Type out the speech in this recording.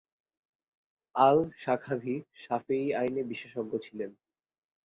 আল-সাখাভী শাফেয়ী আইনে বিশেষজ্ঞ ছিলেন।